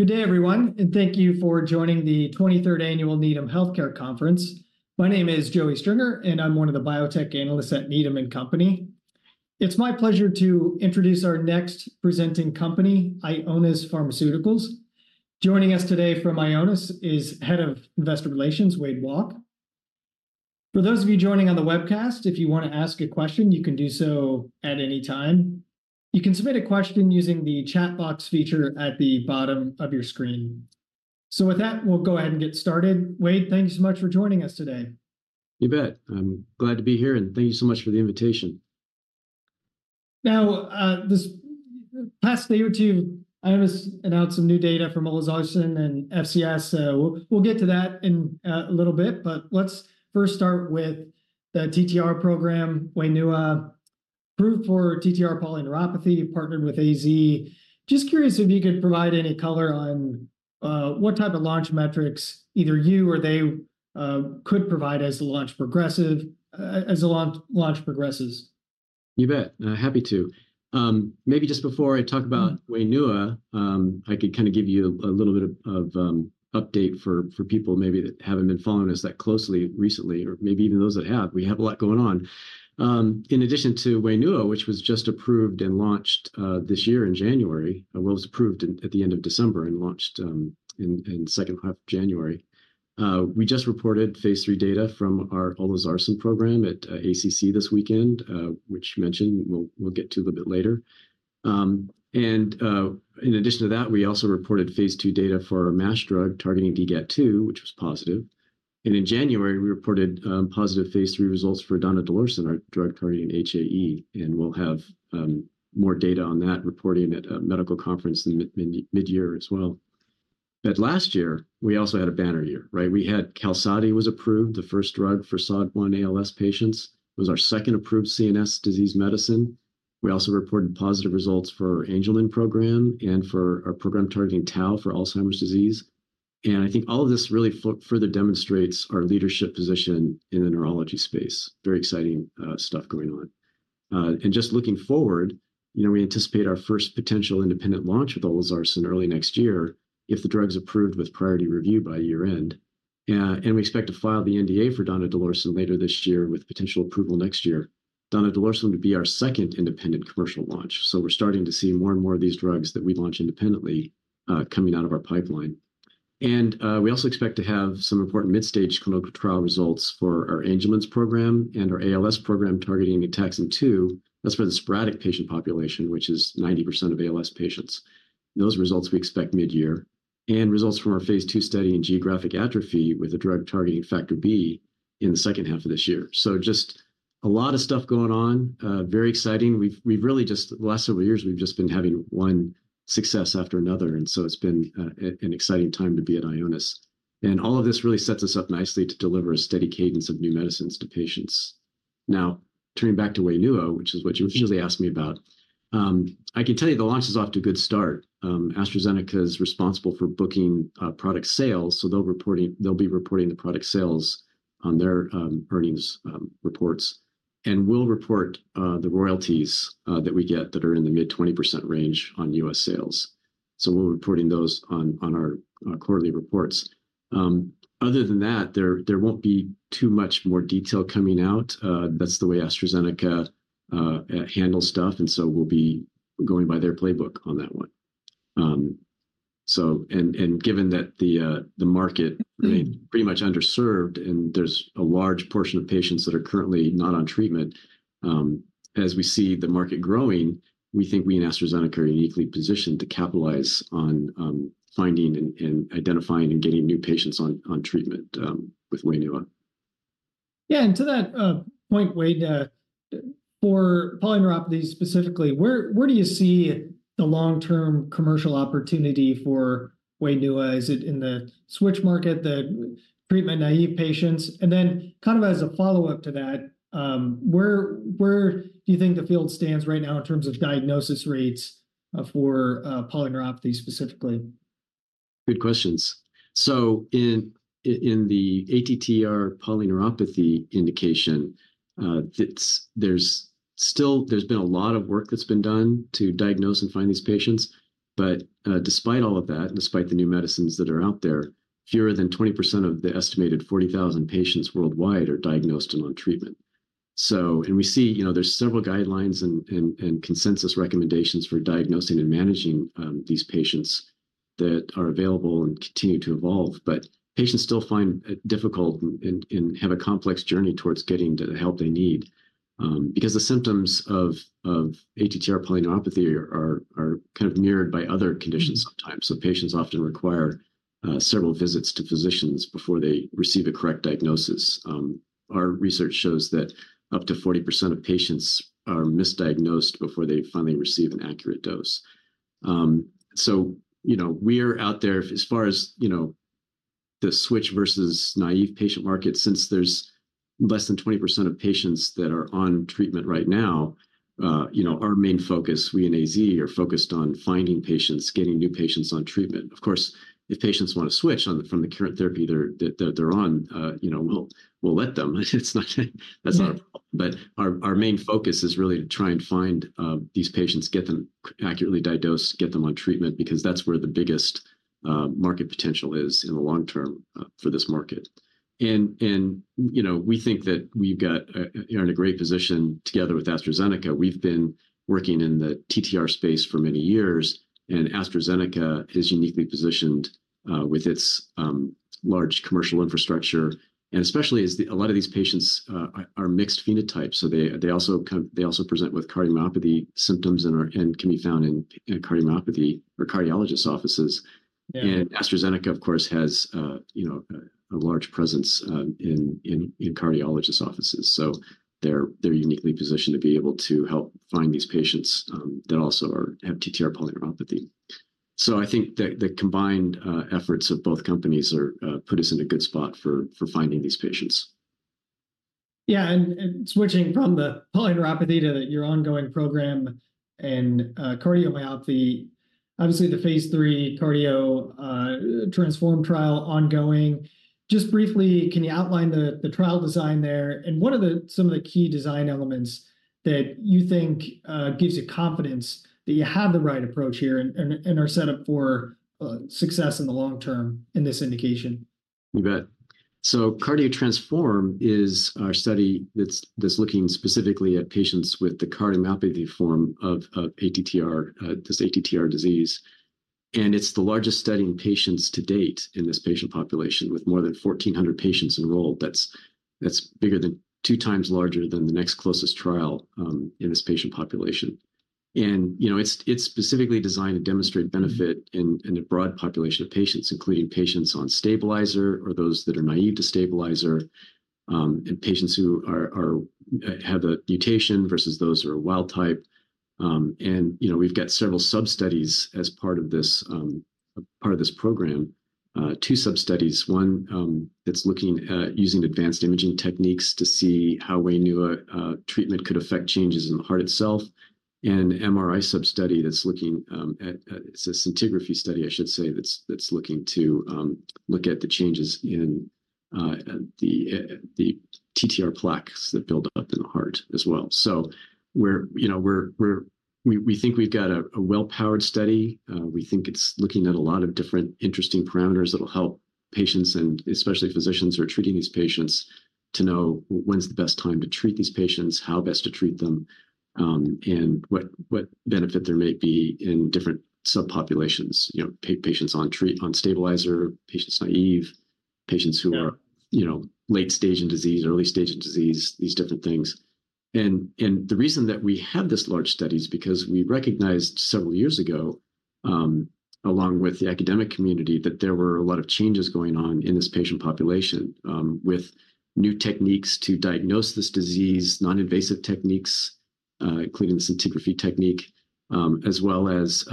Good day, everyone, and thank you for joining the 23rd Annual Needham Healthcare Conference. My name is Joey Stringer, and I'm one of the biotech analysts at Needham & Company. It's my pleasure to introduce our next presenting company, Ionis Pharmaceuticals. Joining us today from Ionis is Head of Investor Relations, Wade Walke. For those of you joining on the webcast, if you want to ask a question, you can do so at any time. You can submit a question using the chat box feature at the bottom of your screen. So with that, we'll go ahead and get started. Wade, thank you so much for joining us today. You bet. I'm glad to be here, and thank you so much for the invitation. Now, this past day or two, Ionis announced some new data from olezarsen and FCS, so we'll get to that in a little bit. But let's first start with the TTR program, WAINUA. Approved for TTR polyneuropathy, partnered with AZ. Just curious if you could provide any color on what type of launch metrics either you or they could provide as the launch progresses? You bet. Happy to. Maybe just before I talk about WAINUA, I could kind of give you a little bit of an update for people maybe that haven't been following us that closely recently, or maybe even those that have. We have a lot going on. In addition to WAINUA, which was just approved and launched this year in January, well, it was approved at the end of December and launched in the second half of January. We just reported phase III data from our olezarsen program at ACC this weekend, which I mentioned we'll get to a little bit later. In addition to that, we also reported phase 2 data for our MASH drug targeting DGAT2, which was positive. In January, we reported positive phase 3 results for donidalorsen, our drug targeting HAE. And we'll have more data on that reporting at a medical conference in midyear as well. But last year, we also had a banner year, right? QALSODY was approved, the first drug for SOD1 ALS patients. It was our second approved CNS disease medicine. We also reported positive results for Angelman program and for our program targeting Tau for Alzheimer's disease. And I think all of this really further demonstrates our leadership position in the neurology space. Very exciting stuff going on. And just looking forward, we anticipate our first potential independent launch with olezarsen early next year, if the drug's approved with priority review by year-end. And we expect to file the NDA for donidalorsen later this year with potential approval next year. Donidalorsen would be our second independent commercial launch. So we're starting to see more and more of these drugs that we launch independently coming out of our pipeline. And we also expect to have some important mid-stage clinical trial results for our Angelman program and our ALS program targeting Ataxin-2. That's for the sporadic patient population, which is 90% of ALS patients. Those results we expect mid-year. And results from our phase 2 study in geographic atrophy with a drug targeting Factor B in the second half of this year. So just a lot of stuff going on, very exciting. The last several years, we've just been having one success after another. And so it's been an exciting time to be at Ionis. And all of this really sets us up nicely to deliver a steady cadence of new medicines to patients. Now, turning back to WAINUA, which is what you usually ask me about, I can tell you the launch is off to a good start. AstraZeneca is responsible for booking product sales, so they'll be reporting the product sales on their earnings reports. We'll report the royalties that we get that are in the mid-20% range on U.S. sales. We'll be reporting those on our quarterly reports. Other than that, there won't be too much more detail coming out. That's the way AstraZeneca handles stuff. We'll be going by their playbook on that one. Given that the market remains pretty much underserved and there's a large portion of patients that are currently not on treatment, as we see the market growing, we think we in AstraZeneca are uniquely positioned to capitalize on finding and identifying and getting new patients on treatment with WAINUA. Yeah, and to that point, Wade, for polyneuropathy specifically, where do you see the long-term commercial opportunity for WAINUA? Is it in the switch market, the treatment-naïve patients? And then kind of as a follow-up to that, where do you think the field stands right now in terms of diagnosis rates for polyneuropathy specifically? Good questions. So in the ATTR polyneuropathy indication, there's been a lot of work that's been done to diagnose and find these patients. But despite all of that, despite the new medicines that are out there, fewer than 20% of the estimated 40,000 patients worldwide are diagnosed and on treatment. And we see there's several guidelines and consensus recommendations for diagnosing and managing these patients that are available and continue to evolve. But patients still find it difficult and have a complex journey towards getting the help they need. Because the symptoms of ATTR polyneuropathy are kind of mirrored by other conditions sometimes. So patients often require several visits to physicians before they receive a correct diagnosis. Our research shows that up to 40% of patients are misdiagnosed before they finally receive an accurate diagnosis. So we are out there as far as the switch versus naïve patient market, since there's less than 20% of patients that are on treatment right now, our main focus, we in AZ, are focused on finding patients, getting new patients on treatment. Of course, if patients want to switch from the current therapy they're on, we'll let them. That's not a problem. But our main focus is really to try and find these patients, get them accurately diagnosed, get them on treatment, because that's where the biggest market potential is in the long term for this market. We think that we've got in a great position together with AstraZeneca. We've been working in the TTR space for many years. AstraZeneca is uniquely positioned with its large commercial infrastructure. Especially as a lot of these patients are mixed phenotypes. So they also present with cardiomyopathy symptoms and can be found in cardiomyopathy or cardiologist offices. And AstraZeneca, of course, has a large presence in cardiologist offices. So they're uniquely positioned to be able to help find these patients that also have TTR polyneuropathy. So I think that the combined efforts of both companies put us in a good spot for finding these patients. Yeah, and switching from the polyneuropathy to your ongoing program and cardiomyopathy, obviously the phase 3 CARDIO-TTRansform trial ongoing. Just briefly, can you outline the trial design there? And what are some of the key design elements that you think gives you confidence that you have the right approach here and are set up for success in the long term in this indication? You bet. So CARDIO-TTRansform is our study that's looking specifically at patients with the cardiomyopathy form of ATTR, this ATTR disease. It's the largest study in patients to date in this patient population with more than 1,400 patients enrolled. That's bigger than 2 times larger than the next closest trial in this patient population. It's specifically designed to demonstrate benefit in a broad population of patients, including patients on stabilizer or those that are naïve to stabilizer. Patients who have a mutation versus those who are a wild type. We've got several sub-studies as part of this program, 2 sub-studies. One that's looking at using advanced imaging techniques to see how WAINUA treatment could affect changes in the heart itself. An MRI sub-study that's looking at it. It's a scintigraphy study, I should say, that's looking to look at the changes in the TTR plaques that build up in the heart as well. So we think we've got a well-powered study. We think it's looking at a lot of different interesting parameters that'll help patients and especially physicians who are treating these patients to know when's the best time to treat these patients, how best to treat them, and what benefit there may be in different sub-populations, patients on stabilizer, patients naïve, patients who are late-stage in disease, early-stage in disease, these different things. The reason that we have this large study is because we recognized several years ago, along with the academic community, that there were a lot of changes going on in this patient population with new techniques to diagnose this disease, non-invasive techniques, including the scintigraphy technique, as well as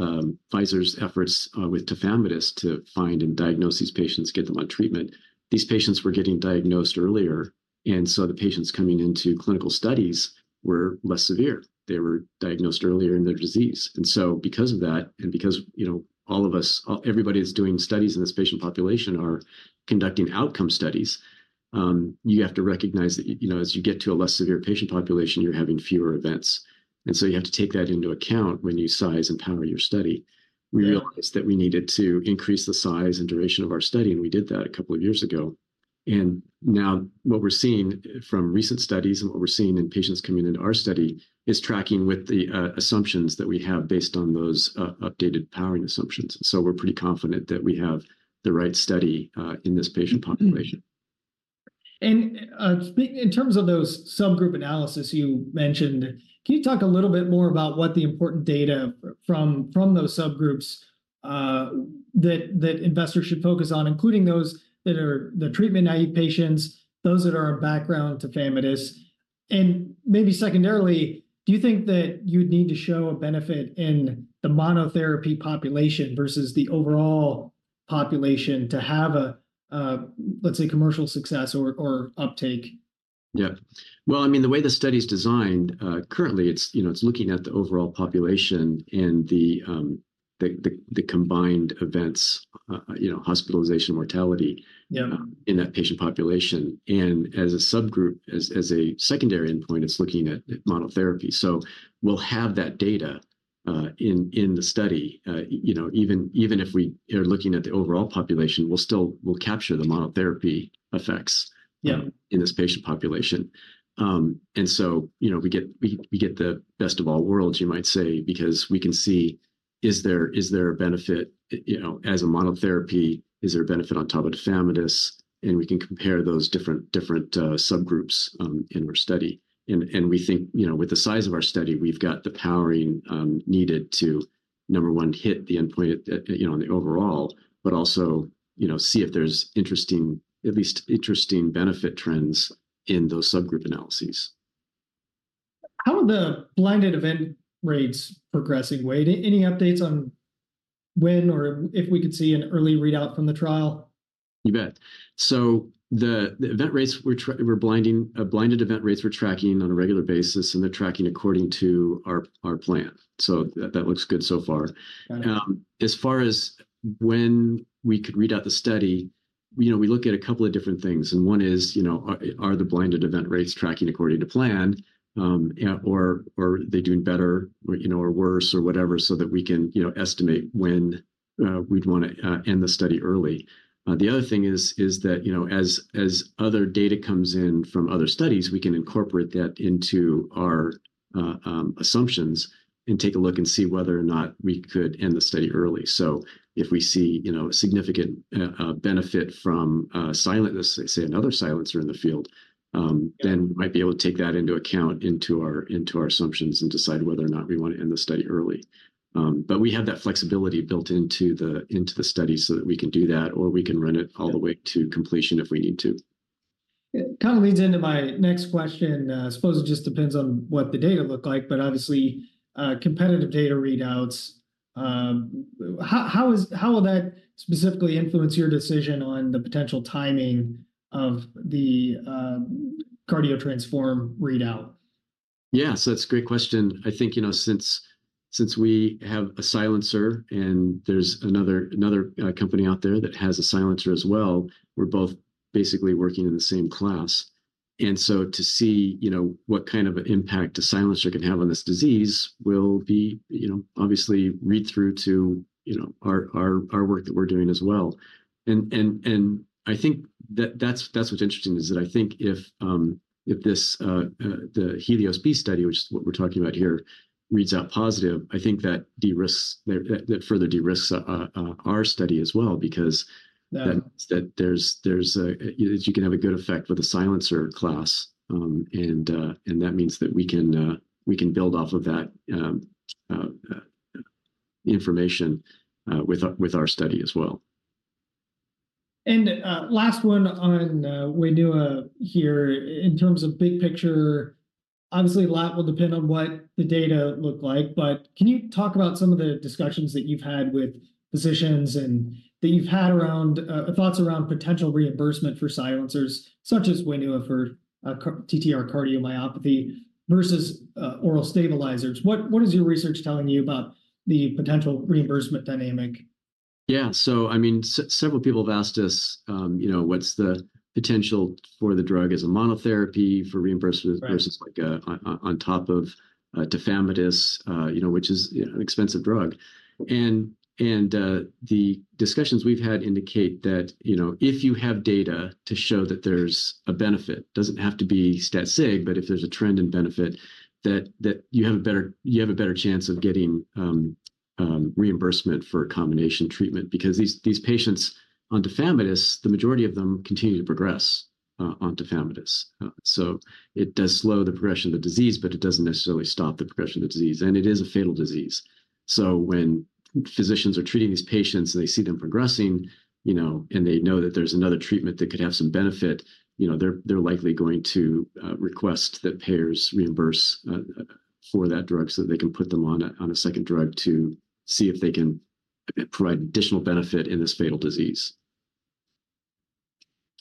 Pfizer's efforts with tafamidis to find and diagnose these patients, get them on treatment. These patients were getting diagnosed earlier. And so the patients coming into clinical studies were less severe. They were diagnosed earlier in their disease. And so because of that, and because everybody that's doing studies in this patient population are conducting outcome studies, you have to recognize that as you get to a less severe patient population, you're having fewer events. And so you have to take that into account when you size and power your study. We realized that we needed to increase the size and duration of our study, and we did that a couple of years ago. Now what we're seeing from recent studies and what we're seeing in patients coming into our study is tracking with the assumptions that we have based on those updated powering assumptions. So we're pretty confident that we have the right study in this patient population. In terms of those subgroup analyses you mentioned, can you talk a little bit more about what the important data from those subgroups that investors should focus on, including those that are the treatment-naïve patients, those that are in background tafamidis? And maybe secondarily, do you think that you'd need to show a benefit in the monotherapy population versus the overall population to have a, let's say, commercial success or uptake? Yeah. Well, I mean, the way the study is designed, currently, it's looking at the overall population and the combined events, hospitalization mortality in that patient population. And as a subgroup, as a secondary endpoint, it's looking at monotherapy. So we'll have that data in the study. Even if we are looking at the overall population, we'll capture the monotherapy effects in this patient population. And so we get the best of all worlds, you might say, because we can see, is there a benefit as a monotherapy, is there a benefit on top of tafamidis? And we can compare those different subgroups in our study. And we think with the size of our study, we've got the powering needed to, number one, hit the endpoint on the overall, but also see if there's at least interesting benefit trends in those subgroup analyses. How are the blinded event rates progressing, Wade? Any updates on when or if we could see an early readout from the trial? You bet. So the event rates, we're blind to the blinded event rates we're tracking on a regular basis, and they're tracking according to our plan. So that looks good so far. As far as when we could read out the study, we look at a couple of different things. One is, are the blinded event rates tracking according to plan? Or are they doing better or worse or whatever so that we can estimate when we'd want to end the study early? The other thing is that as other data comes in from other studies, we can incorporate that into our assumptions and take a look and see whether or not we could end the study early. So if we see a significant benefit from, say, another silencer in the field, then we might be able to take that into account into our assumptions and decide whether or not we want to end the study early. But we have that flexibility built into the study so that we can do that, or we can run it all the way to completion if we need to. Kind of leads into my next question. I suppose it just depends on what the data look like, but obviously, competitive data readouts, how will that specifically influence your decision on the potential timing of the CARDIO-TTRansform readout? Yeah, so that's a great question. I think since we have a silencer and there's another company out there that has a silencer as well, we're both basically working in the same class. And so to see what kind of an impact a silencer can have on this disease will be obviously read through to our work that we're doing as well. And I think that that's what's interesting is that I think if the HELIOS-B study, which is what we're talking about here, reads out positive, I think that further de-risks our study as well because that means that you can have a good effect with a silencer class. And that means that we can build off of that information with our study as well. And last one on WAINUA here in terms of big picture, obviously, a lot will depend on what the data look like, but can you talk about some of the discussions that you've had with physicians and that you've had around thoughts around potential reimbursement for silencers, such as WAINUA for TTR cardiomyopathy versus oral stabilizers? What is your research telling you about the potential reimbursement dynamic? Yeah, so I mean, several people have asked us what's the potential for the drug as a monotherapy for reimbursement versus on top of tafamidis, which is an expensive drug. And the discussions we've had indicate that if you have data to show that there's a benefit, it doesn't have to be stat sig, but if there's a trend in benefit, that you have a better chance of getting reimbursement for combination treatment because these patients on tafamidis, the majority of them continue to progress on tafamidis. So it does slow the progression of the disease, but it doesn't necessarily stop the progression of the disease. And it is a fatal disease. So when physicians are treating these patients and they see them progressing, and they know that there's another treatment that could have some benefit, they're likely going to request that payers reimburse for that drug so that they can put them on a second drug to see if they can provide additional benefit in this fatal disease.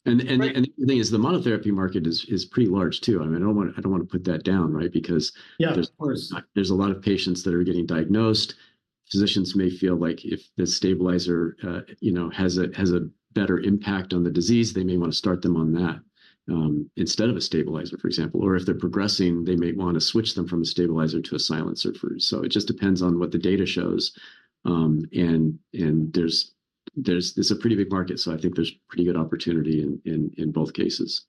And the other thing is the monotherapy market is pretty large too. I mean, I don't want to put that down, right? Because there's a lot of patients that are getting diagnosed. Physicians may feel like if the stabilizer has a better impact on the disease, they may want to start them on that instead of a stabilizer, for example. Or if they're progressing, they may want to switch them from a stabilizer to a silencer first. So it just depends on what the data shows. It's a pretty big market, so I think there's pretty good opportunity in both cases.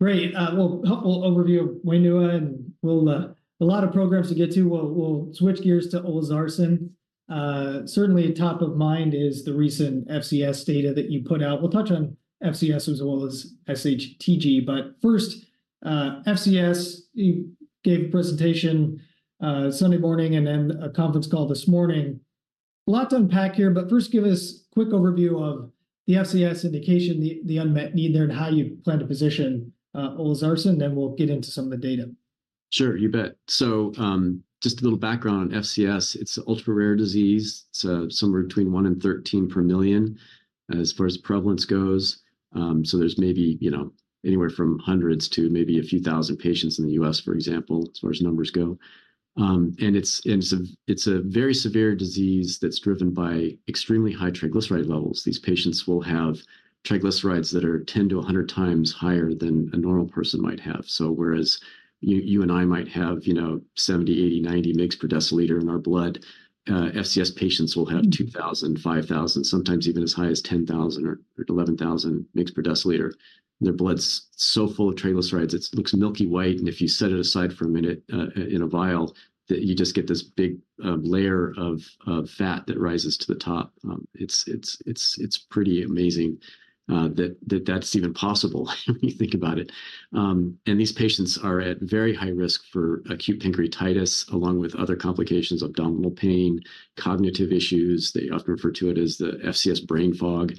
Great. Well, helpful overview of WAINUA, and a lot of programs to get to. We'll switch gears to olezarsen. Certainly top of mind is the recent FCS data that you put out. We'll touch on FCS as well as SHTG, but first, FCS, you gave a presentation Sunday morning and then a conference call this morning. A lot to unpack here, but first give us a quick overview of the FCS indication, the unmet need there, and how you plan to position olezarsen, then we'll get into some of the data. Sure, you bet. So just a little background on FCS. It's an ultra-rare disease. It's somewhere between 1-13 per million as far as prevalence goes. So there's maybe anywhere from hundreds to maybe a few thousand patients in the U.S., for example, as far as numbers go. And it's a very severe disease that's driven by extremely high triglyceride levels. These patients will have triglycerides that are 10-100 times higher than a normal person might have. So whereas you and I might have 70, 80, 90 mg/dL in our blood, FCS patients will have 2,000, 5,000, sometimes even as high as 10,000 or 11,000 mg/dL. And their blood's so full of triglycerides, it looks milky white, and if you set it aside for a minute in a vial, you just get this big layer of fat that rises to the top. It's pretty amazing that that's even possible when you think about it. These patients are at very high risk for acute pancreatitis along with other complications, abdominal pain, cognitive issues. They often refer to it as the FCS brain fog.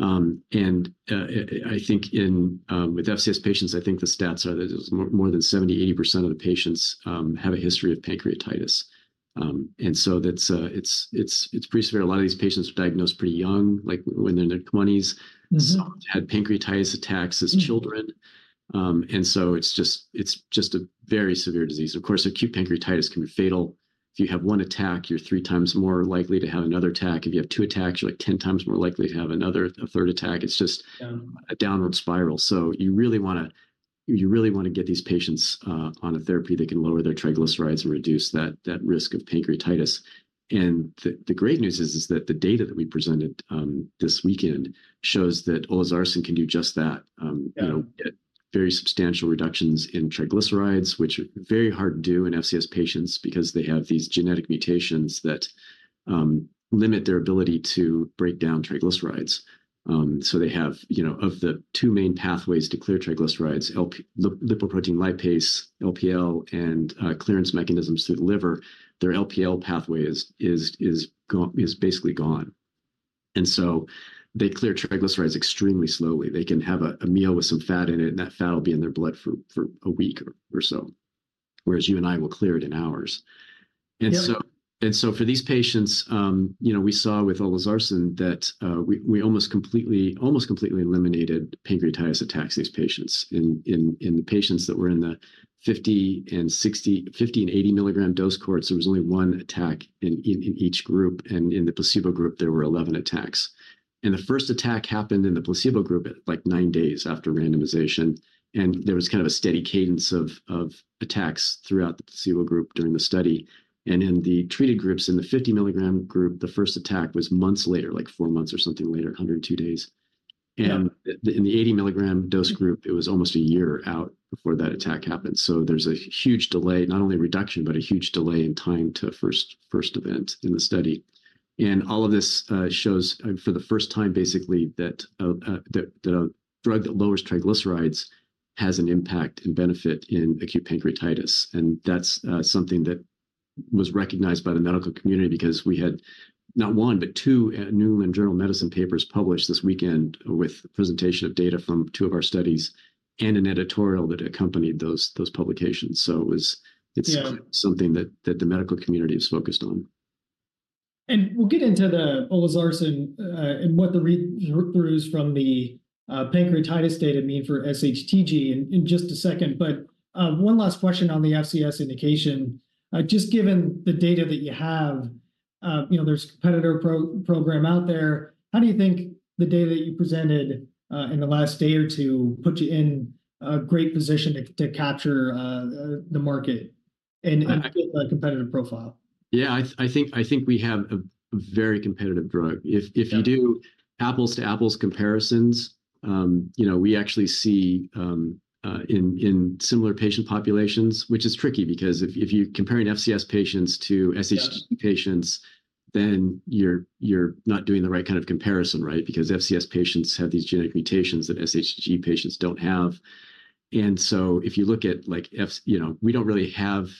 I think with FCS patients, I think the stats are that more than 70%-80% of the patients have a history of pancreatitis. It's pretty severe. A lot of these patients are diagnosed pretty young, like when they're in their 20s. Some have had pancreatitis attacks as children. It's just a very severe disease. Of course, acute pancreatitis can be fatal. If you have one attack, you're three times more likely to have another attack. If you have two attacks, you're like 10 times more likely to have another, a third attack. It's just a downward spiral. So you really want to get these patients on a therapy that can lower their triglycerides and reduce that risk of pancreatitis. And the great news is that the data that we presented this weekend shows that olezarsen can do just that, get very substantial reductions in triglycerides, which are very hard to do in FCS patients because they have these genetic mutations that limit their ability to break down triglycerides. So they have of the two main pathways to clear triglycerides, lipoprotein lipase, LPL, and clearance mechanisms through the liver, their LPL pathway is basically gone. And so they clear triglycerides extremely slowly. They can have a meal with some fat in it, and that fat will be in their blood for a week or so. Whereas you and I will clear it in hours. So for these patients, we saw with olezarsen that we almost completely eliminated pancreatitis attacks in these patients. In the patients that were in the 50 and 80 mg dose cohorts, there was only one attack in each group, and in the placebo group, there were 11 attacks. And the first attack happened in the placebo group at like 9 days after randomization. And there was kind of a steady cadence of attacks throughout the placebo group during the study. And in the treated groups, in the 50 mg group, the first attack was months later, like 4 months or something later, 102 days. And in the 80 mg dose group, it was almost a year out before that attack happened. So there's a huge delay, not only a reduction, but a huge delay in time to first event in the study. All of this shows for the first time, basically, that a drug that lowers triglycerides has an impact and benefit in acute pancreatitis. That's something that was recognized by the medical community because we had not one, but two New England Journal of Medicine papers published this weekend with a presentation of data from two of our studies and an editorial that accompanied those publications. It's something that the medical community has focused on. We'll get into the olezarsen and what the read-throughs from the pancreatitis data mean for SHTG in just a second. One last question on the FCS indication. Just given the data that you have, there's a competitor program out there. How do you think the data that you presented in the last day or two put you in a great position to capture the market and build a competitive profile? Yeah, I think we have a very competitive drug. If you do apples-to-apples comparisons, we actually see in similar patient populations, which is tricky because if you're comparing FCS patients to sHTG patients, then you're not doing the right kind of comparison, right? Because FCS patients have these genetic mutations that sHTG patients don't have. And so if you look at we don't really have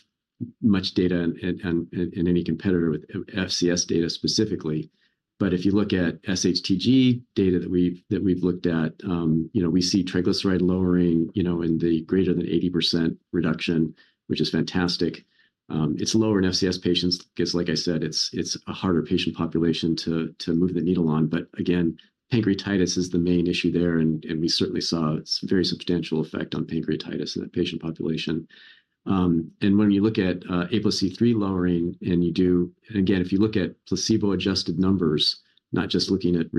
much data in any competitor with FCS data specifically. But if you look at sHTG data that we've looked at, we see triglyceride lowering in the greater than 80% reduction, which is fantastic. It's lower in FCS patients because, like I said, it's a harder patient population to move the needle on. But again, pancreatitis is the main issue there, and we certainly saw a very substantial effect on pancreatitis in that patient population. When you look at ApoC-III lowering, and again, if you look at placebo-adjusted numbers, not just looking at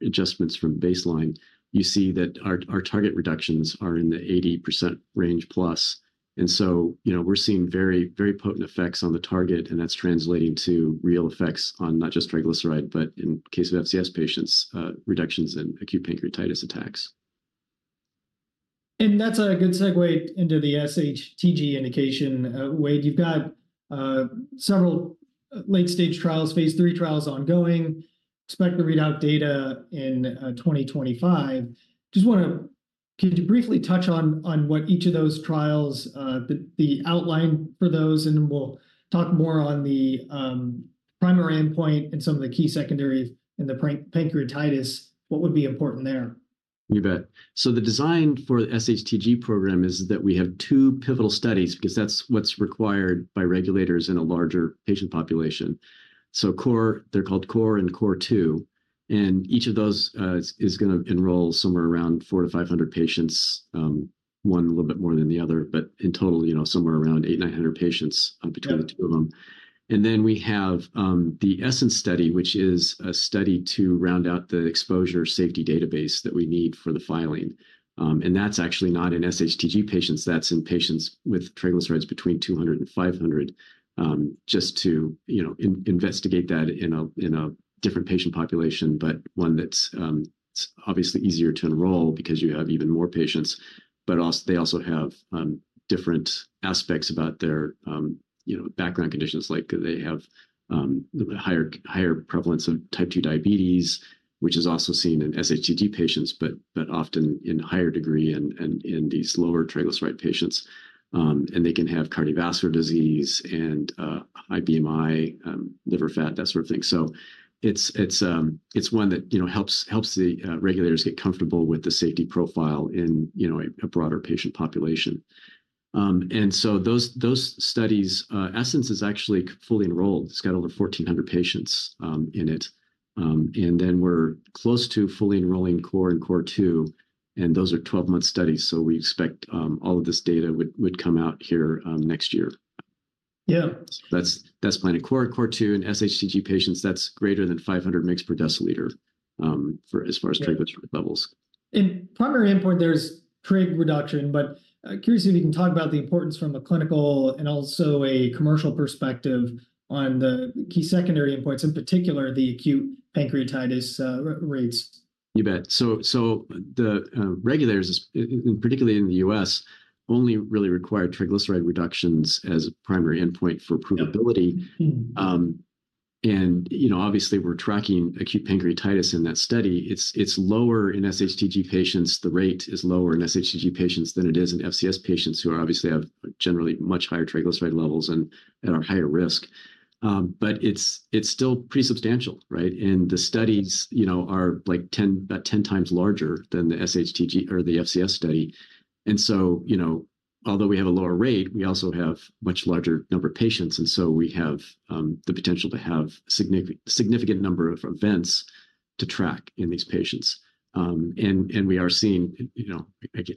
adjustments from baseline, you see that our target reductions are in the 80% range plus. So we're seeing very, very potent effects on the target, and that's translating to real effects on not just triglyceride, but in the case of FCS patients, reductions in acute pancreatitis attacks. That's a good segue into the sHTG indication. Wade, you've got several late-stage trials, phase III trials ongoing. Expect to read out data in 2025. Just want to, could you briefly touch on what each of those trials, the outline for those, and then we'll talk more on the primary endpoint and some of the key secondaries in the pancreatitis, what would be important there? You bet. So the design for the sHTG program is that we have two pivotal studies because that's what's required by regulators in a larger patient population. So CORE, they're called CORE and CORE2. And each of those is going to enroll somewhere around 400-500 patients, one a little bit more than the other, but in total, somewhere around 800-900 patients between the two of them. And then we have the ESSENCE study, which is a study to round out the exposure safety database that we need for the filing. And that's actually not in sHTG patients. That's in patients with triglycerides between 200-500, just to investigate that in a different patient population, but one that's obviously easier to enroll because you have even more patients. But they also have different aspects about their background conditions, like they have a higher prevalence of type 2 diabetes, which is also seen in SHTG patients, but often in higher degree and in these lower triglyceride patients. And they can have cardiovascular disease and high BMI, liver fat, that sort of thing. So it's one that helps the regulators get comfortable with the safety profile in a broader patient population. And so those studies, ESSENCE is actually fully enrolled. It's got over 1,400 patients in it. And then we're close to fully enrolling CORE and CORE2. And those are 12-month studies. So we expect all of this data would come out here next year. Yeah. So that's planning CORE and CORE2. In SHTG patients, that's greater than 500 mg per deciliter as far as triglyceride levels. Primary endpoint, there's trig reduction, but I'm curious if you can talk about the importance from a clinical and also a commercial perspective on the key secondary endpoints, in particular, the acute pancreatitis rates. You bet. So the regulators, particularly in the U.S., only really require triglyceride reductions as a primary endpoint for approvability. And obviously, we're tracking acute pancreatitis in that study. It's lower in SHTG patients, the rate is lower in SHTG patients than it is in FCS patients who obviously have generally much higher triglyceride levels and are higher risk. But it's still pretty substantial, right? And the studies are about 10 times larger than the SHTG or the FCS study. And so although we have a lower rate, we also have a much larger number of patients, and so we have the potential to have a significant number of events to track in these patients. And we are seeing,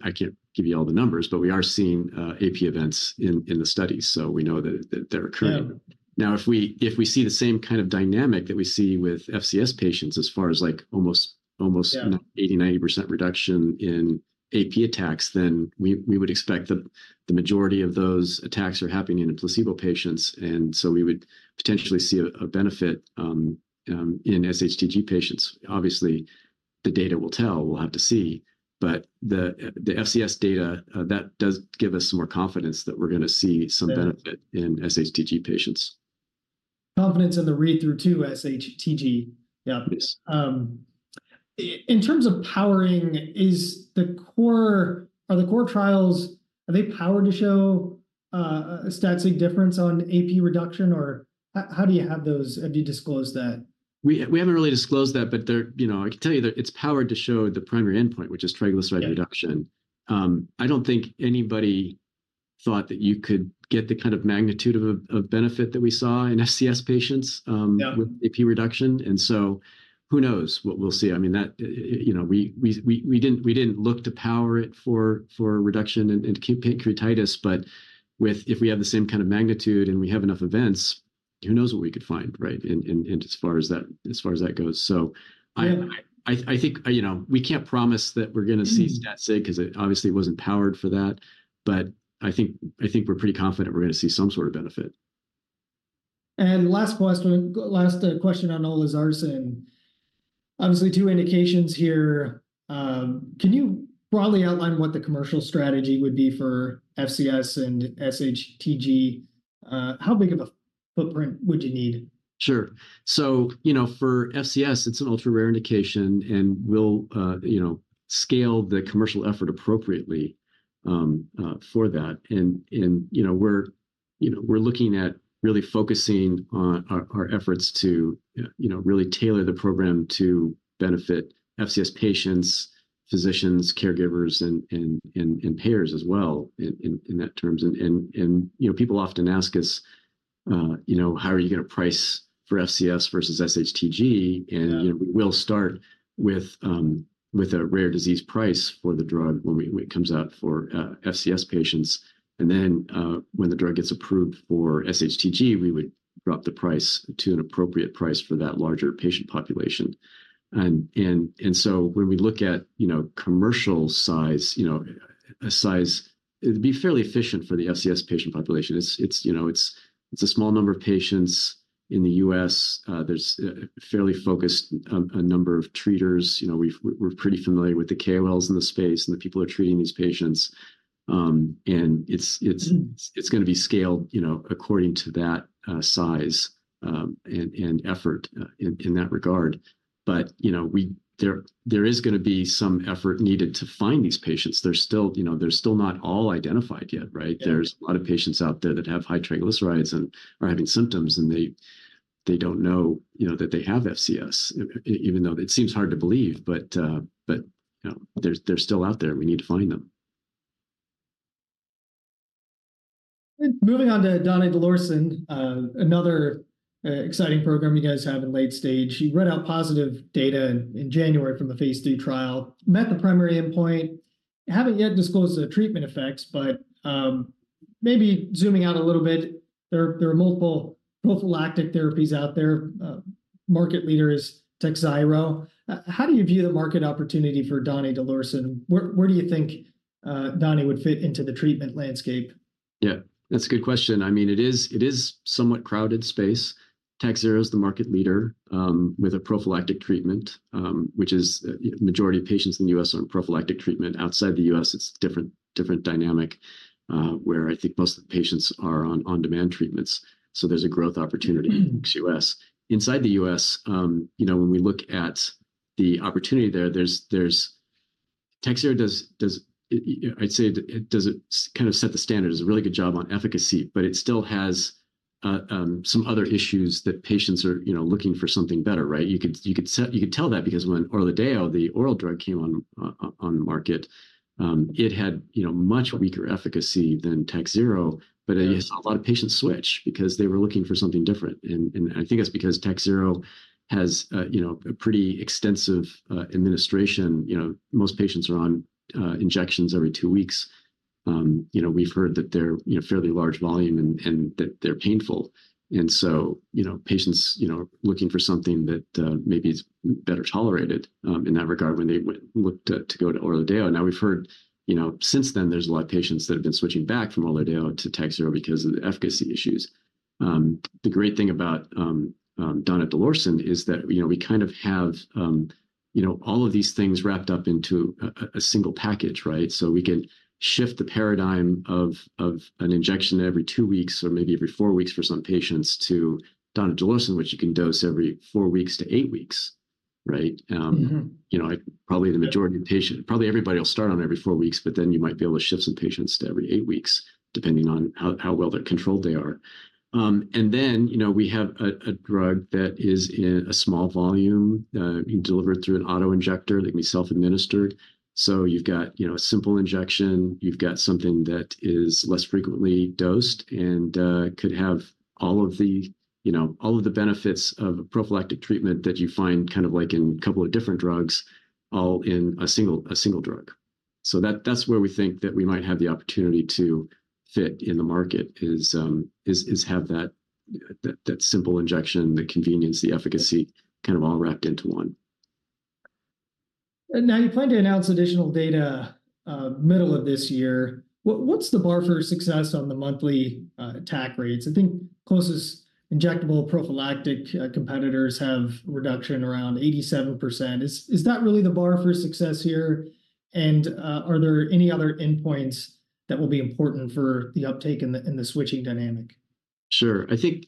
I can't give you all the numbers, but we are seeing AP events in the studies, so we know that they're occurring. Now, if we see the same kind of dynamic that we see with FCS patients as far as almost 80%-90% reduction in AP attacks, then we would expect that the majority of those attacks are happening in placebo patients, and so we would potentially see a benefit in SHTG patients. Obviously, the data will tell. We'll have to see. But the FCS data, that does give us more confidence that we're going to see some benefit in SHTG patients. Confidence in the read-through to sHTG. Yeah. In terms of powering, are the core trials, are they powered to show a static difference on AP reduction, or how do you have those? Have you disclosed that? We haven't really disclosed that, but I can tell you that it's powered to show the primary endpoint, which is triglyceride reduction. I don't think anybody thought that you could get the kind of magnitude of benefit that we saw in FCS patients with AP reduction. And so who knows what we'll see? I mean, we didn't look to power it for reduction in acute pancreatitis, but if we have the same kind of magnitude and we have enough events, who knows what we could find, right, as far as that goes. So I think we can't promise that we're going to see stat sig because it obviously wasn't powered for that. But I think we're pretty confident we're going to see some sort of benefit. Last question, last question on olezarsen. Obviously, two indications here. Can you broadly outline what the commercial strategy would be for FCS and SHTG? How big of a footprint would you need? Sure. So for FCS, it's an ultra-rare indication, and we'll scale the commercial effort appropriately for that. And we're looking at really focusing our efforts to really tailor the program to benefit FCS patients, physicians, caregivers, and payers as well in that terms. And people often ask us, how are you going to price for FCS versus SHTG? And we will start with a rare disease price for the drug when it comes out for FCS patients. And then when the drug gets approved for SHTG, we would drop the price to an appropriate price for that larger patient population. And so when we look at commercial size, a size that'd be fairly efficient for the FCS patient population. It's a small number of patients in the U.S. There's a fairly focused number of treaters. We're pretty familiar with the KOLs in the space and the people who are treating these patients. It's going to be scaled according to that size and effort in that regard. There is going to be some effort needed to find these patients. They're still not all identified yet, right? There's a lot of patients out there that have high triglycerides and are having symptoms, and they don't know that they have FCS, even though it seems hard to believe, but they're still out there, and we need to find them. Moving on to donidalorsen, another exciting program you guys have in late stage. He read out positive data in January from the phase III trial, met the primary endpoint, haven't yet disclosed the treatment effects, but maybe zooming out a little bit. There are multiple prophylactic therapies out there. Market leader is TAKHZYRO. How do you view the market opportunity for donidalorsen? Where do you think donidalorsen would fit into the treatment landscape? Yeah, that's a good question. I mean, it is somewhat crowded space. TAKHZYRO is the market leader with a prophylactic treatment, which is the majority of patients in the U.S. are on prophylactic treatment. Outside the U.S., it's a different dynamic where I think most of the patients are on demand treatments. So there's a growth opportunity in the U.S. Inside the U.S., when we look at the opportunity there, TAKHZYRO does, I'd say, kind of set the standard. It does a really good job on efficacy, but it still has some other issues that patients are looking for something better, right? You could tell that because when Orladeyo, the oral drug, came on the market, it had much weaker efficacy than TAKHZYRO, but a lot of patients switched because they were looking for something different. And I think that's because TAKHZYRO has a pretty extensive administration. Most patients are on injections every two weeks. We've heard that they're fairly large volume and that they're painful. And so patients are looking for something that maybe is better tolerated in that regard when they looked to go to Orladeyo. Now we've heard since then, there's a lot of patients that have been switching back from Orladeyo to TAKHZYRO because of the efficacy issues. The great thing about donidalorsen is that we kind of have all of these things wrapped up into a single package, right? So we can shift the paradigm of an injection every two weeks or maybe every four weeks for some patients to donidalorsen, which you can dose every four weeks to eight weeks, right? Probably the majority of patients, probably everybody will start on every 4 weeks, but then you might be able to shift some patients to every 8 weeks, depending on how well controlled they are. And then we have a drug that is in a small volume delivered through an autoinjector that can be self-administered. So you've got a simple injection. You've got something that is less frequently dosed and could have all of the benefits of prophylactic treatment that you find kind of like in a couple of different drugs all in a single drug. So that's where we think that we might have the opportunity to fit in the market is have that simple injection, the convenience, the efficacy, kind of all wrapped into one. Now you plan to announce additional data middle of this year. What's the bar for success on the monthly attack rates? I think closest injectable prophylactic competitors have a reduction around 87%. Is that really the bar for success here? And are there any other endpoints that will be important for the uptake in the switching dynamic? Sure. I think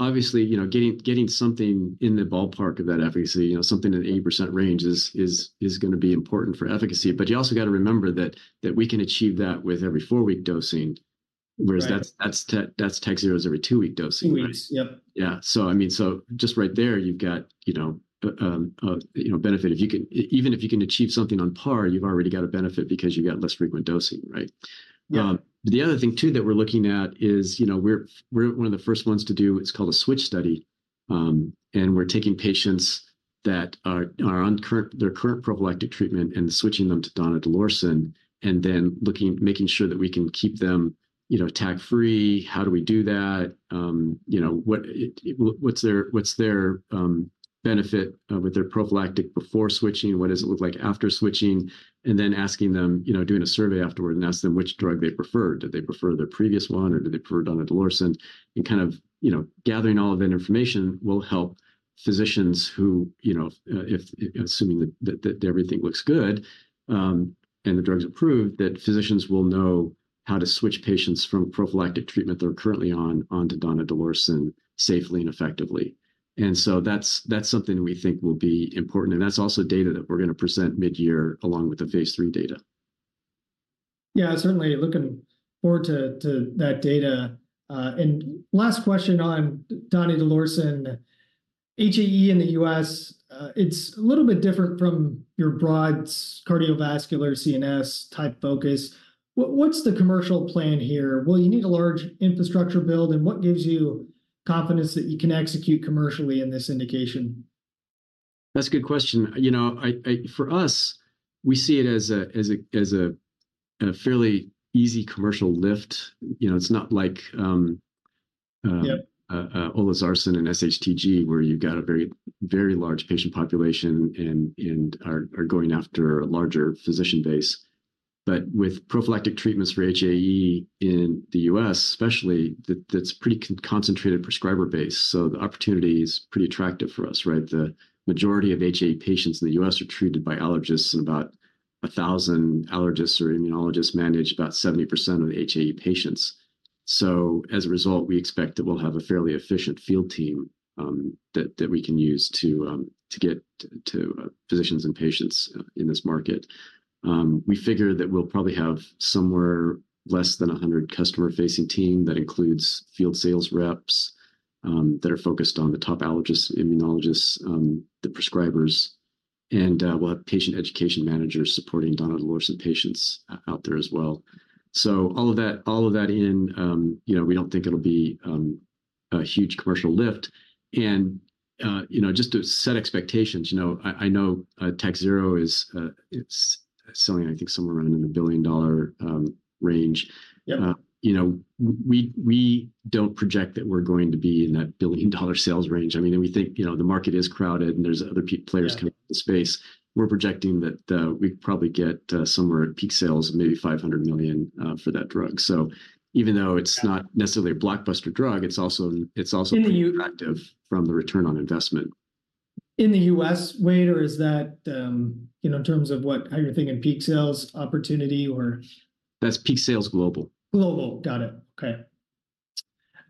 obviously, getting something in the ballpark of that efficacy, something in the 80% range is going to be important for efficacy. But you also got to remember that we can achieve that with every four-week dosing, whereas that's TAKHZYRO's every two-week dosing, right? 2 weeks, yep. Yeah. So I mean, so just right there, you've got a benefit. Even if you can achieve something on par, you've already got a benefit because you've got less frequent dosing, right? The other thing, too, that we're looking at is we're one of the first ones to do, it's called a switch study. And we're taking patients that are on their current prophylactic treatment and switching them to donidalorsen and then making sure that we can keep them attack-free. How do we do that? What's their benefit with their prophylactic before switching? What does it look like after switching? And then doing a survey afterwards and asking them which drug they preferred. Did they prefer their previous one or did they prefer donidalorsen? Kind of gathering all of that information will help physicians who, assuming that everything looks good and the drugs approve, that physicians will know how to switch patients from prophylactic treatment they're currently on onto donidalorsen safely and effectively. So that's something we think will be important. That's also data that we're going to present mid-year along with the phase III data. Yeah, certainly looking forward to that data. And last question on donidalorsen. HAE in the U.S., it's a little bit different from your broad cardiovascular CNS type focus. What's the commercial plan here? Will you need a large infrastructure build? And what gives you confidence that you can execute commercially in this indication? That's a good question. For us, we see it as a fairly easy commercial lift. It's not like olezarsen and SHTG where you've got a very, very large patient population and are going after a larger physician base. But with prophylactic treatments for HAE in the US, especially, that's pretty concentrated prescriber-based. So the opportunity is pretty attractive for us, right? The majority of HAE patients in the US are treated by allergists and about 1,000 allergists or immunologists manage about 70% of the HAE patients. So as a result, we expect that we'll have a fairly efficient field team that we can use to get to physicians and patients in this market. We figure that we'll probably have somewhere less than 100 customer-facing teams that include field sales reps that are focused on the top allergists, immunologists, the prescribers. And we'll have patient education managers supporting donidalorsen patients out there as well. So all of that in, we don't think it'll be a huge commercial lift. And just to set expectations, I know Takhzyro is selling, I think, somewhere around in the billion-dollar range. We don't project that we're going to be in that billion-dollar sales range. I mean, and we think the market is crowded and there's other players coming into the space. We're projecting that we'd probably get somewhere at peak sales of maybe $500 million for that drug. So even though it's not necessarily a blockbuster drug, it's also pretty attractive from the return on investment. In the U.S., Wade, or is that in terms of how you're thinking peak sales opportunity or? That's peak sales global. Global. Got it. Okay.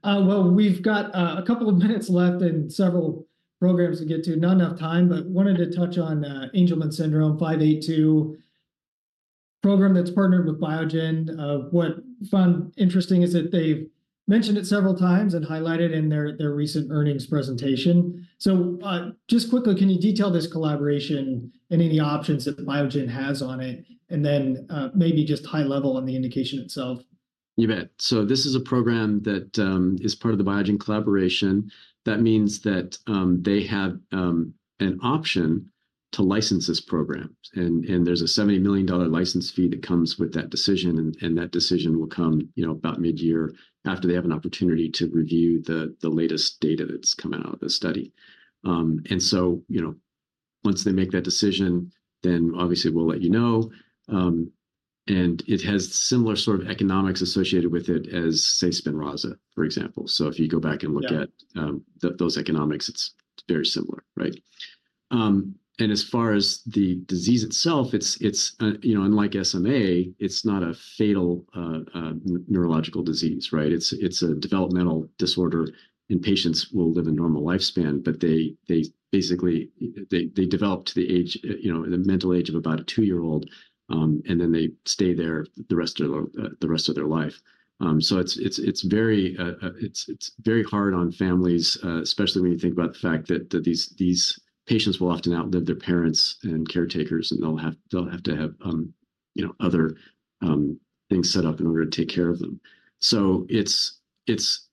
Well, we've got a couple of minutes left and several programs to get to. Not enough time, but wanted to touch on Angelman syndrome 582 program that's partnered with Biogen. What I found interesting is that they've mentioned it several times and highlighted in their recent earnings presentation. So just quickly, can you detail this collaboration and any options that Biogen has on it? And then maybe just high level on the indication itself. You bet. So this is a program that is part of the Biogen collaboration. That means that they have an option to license this program. There's a $70 million license fee that comes with that decision. That decision will come about mid-year after they have an opportunity to review the latest data that's come out of the study. So once they make that decision, then obviously, we'll let you know. It has similar sort of economics associated with it as, say, Spinraza, for example. If you go back and look at those economics, it's very similar, right? As far as the disease itself, unlike SMA, it's not a fatal neurological disease, right? It's a developmental disorder and patients will live a normal lifespan, but they basically develop to the mental age of about a two-year-old, and then they stay there the rest of their life. So it's very hard on families, especially when you think about the fact that these patients will often outlive their parents and caretakers, and they'll have to have other things set up in order to take care of them. So it's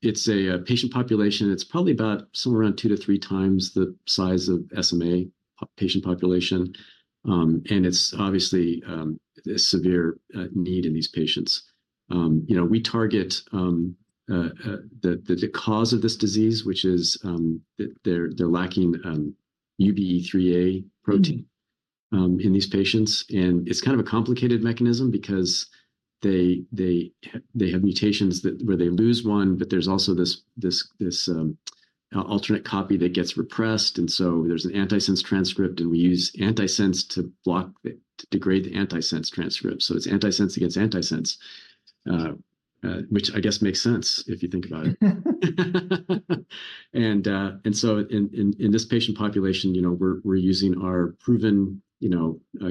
a patient population that's probably about somewhere around two to three times the size of SMA patient population. And it's obviously a severe need in these patients. We target the cause of this disease, which is that they're lacking UBE3A protein in these patients. And it's kind of a complicated mechanism because they have mutations where they lose one, but there's also this alternate copy that gets repressed. There's an antisense transcript, and we use antisense to degrade the antisense transcript. It's antisense against antisense, which I guess makes sense if you think about it. In this patient population, we're using our proven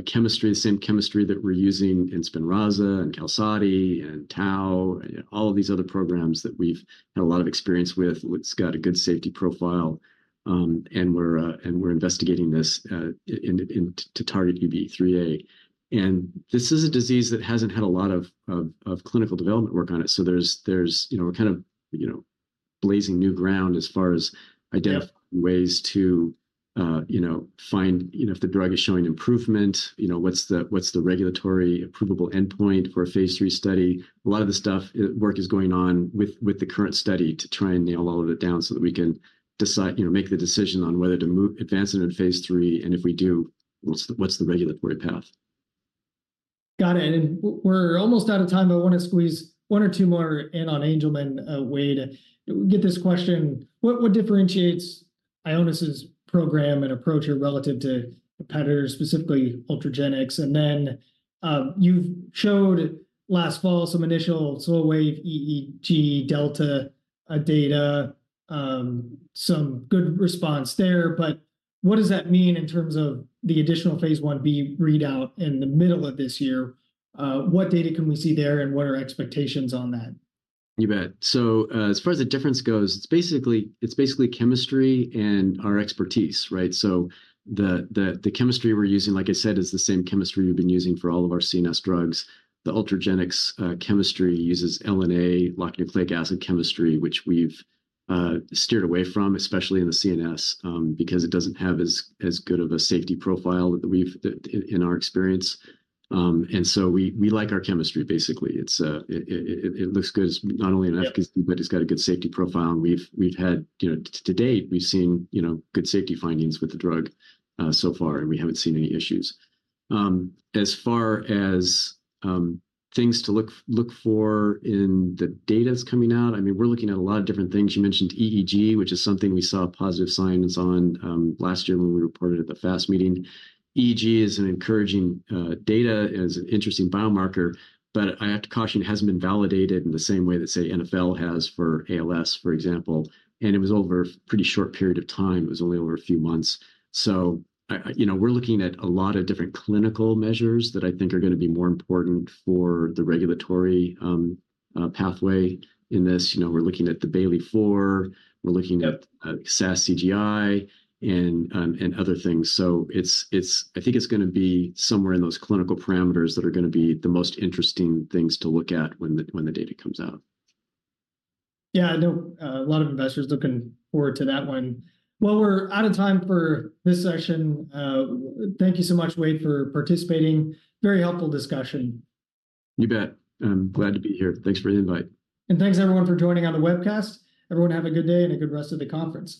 chemistry, the same chemistry that we're using in SPINRAZA and QALSODY and Tau, all of these other programs that we've had a lot of experience with. It's got a good safety profile. We're investigating this to target UBE3A. This is a disease that hasn't had a lot of clinical development work on it. We're kind of blazing new ground as far as identifying ways to find if the drug is showing improvement, what's the regulatory approvable endpoint for a phase III study. A lot of the stuff work is going on with the current study to try and nail all of it down so that we can make the decision on whether to advance it in phase III. If we do, what's the regulatory path? Got it. And we're almost out of time, but I want to squeeze one or two more in on Angelman, Wade. We get this question. What differentiates Ionis's program and approach relative to competitors, specifically Ultragenyx? And then you've showed last fall some initial slow wave EEG delta data, some good response there. But what does that mean in terms of the additional phase 1-B readout in the middle of this year? What data can we see there and what are expectations on that? You bet. So as far as the difference goes, it's basically chemistry and our expertise, right? So the chemistry we're using, like I said, is the same chemistry we've been using for all of our CNS drugs. The Ultragenyx chemistry uses LNA, locked nucleic acid chemistry, which we've steered away from, especially in the CNS, because it doesn't have as good of a safety profile in our experience. And so we like our chemistry, basically. It looks good, not only in efficacy, but it's got a good safety profile. And to date, we've seen good safety findings with the drug so far, and we haven't seen any issues. As far as things to look for in the data that's coming out, I mean, we're looking at a lot of different things. You mentioned EEG, which is something we saw positive signs on last year when we reported at the FAST meeting. EEG is an encouraging data, is an interesting biomarker, but I have to caution, it hasn't been validated in the same way that, say, NFL has for ALS, for example. It was over a pretty short period of time. It was only over a few months. So we're looking at a lot of different clinical measures that I think are going to be more important for the regulatory pathway in this. We're looking at the Bailey IV. We're looking at SAS-CGI and other things. So I think it's going to be somewhere in those clinical parameters that are going to be the most interesting things to look at when the data comes out. Yeah, I know a lot of investors looking forward to that one. Well, we're out of time for this session. Thank you so much, Wade, for participating. Very helpful discussion. You bet. I'm glad to be here. Thanks for the invite. Thanks, everyone, for joining on the webcast. Everyone, have a good day and a good rest of the conference.